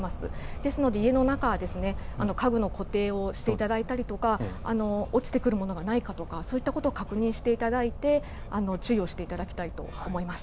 ですので家の中、家具の固定をしたり落ちてくるものがないか、そういったことを確認していただいて注意をしていただきたいと思います。